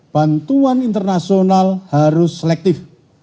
bantuan internasional harus selektif